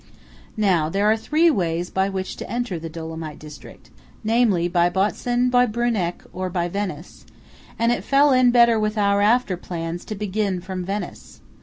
Now there are three ways by which to enter the Dolomite district; namely, by Botzen, by Bruneck, or by Venice; and it fell in better with our after plans to begin from Venice.